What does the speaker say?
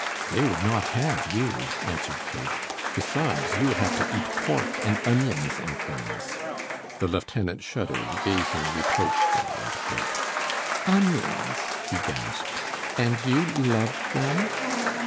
"They would not have you," answered Kate. "Besides, you would have to eat pork and onions and things." The lieutenant shuddered, gazing reproachfully at Kate. "Onions!" he gasped; "and you love them?"